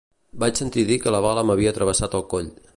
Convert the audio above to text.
Vaig sentir dir que la bala m'havia travessat el coll